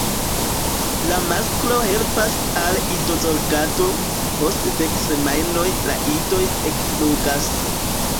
La masklo helpas al idozorgado: post dek semajnoj la idoj ekflugas.